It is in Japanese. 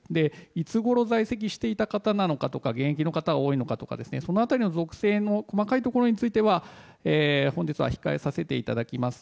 いつごろ在籍していた方なのか現役の方が多いのかとかその辺りの属性の細かいところについては本日は控えさせていただきます。